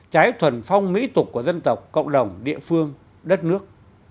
trái thuần phong mỹ tục của dân tộc cộng đồng địa phương đất nước